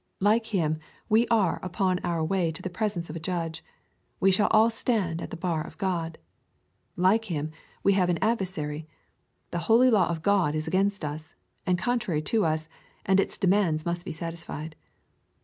— Like him, we are upon our way to the presence of a Judge. We shall all stand at the bar of God. — ^Like him, we have an adver sary. The holy law of God is against us, and contrary to us, and its demands must be satisfied.